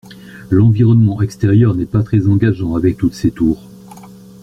L'environnement extérieur n'est pas très engageant avec toutes ces tours.